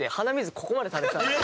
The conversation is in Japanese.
ここまで垂れてたんですよ。